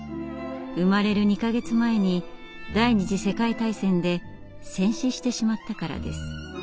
生まれる２か月前に第二次世界大戦で戦死してしまったからです。